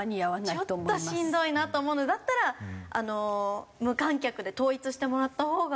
ちょっとしんどいなと思うのでだったらあの無観客で統一してもらったほうが。